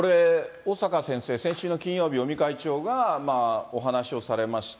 小坂先生、先週の金曜日、尾身会長がお話をされました。